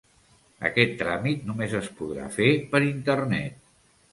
Aquest tràmit només es podrà fer per internet.